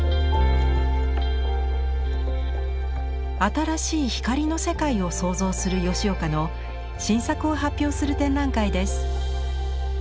新しい光の世界を創造する吉岡の新作を発表する展覧会です。